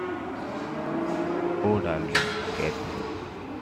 Oh, darling Catherine!